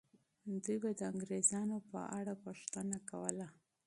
دوی به د انګریزانو په اړه پوښتنه کوله.